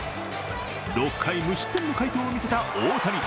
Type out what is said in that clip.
６回無失点の快投をみせた大谷。